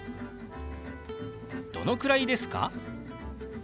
「どのくらいですか？」。